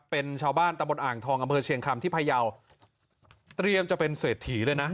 เป็นชาวบ้านตะบนอ่างทองอำเภอเชียงคำที่พยาวเตรียมจะเป็นเศรษฐีเลยนะ